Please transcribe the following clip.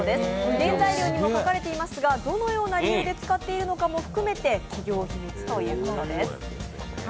原材料にも書かれていますが、どのような理由で使っているかも含めて企業秘密ということです。